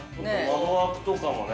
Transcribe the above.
◆窓枠とかもね。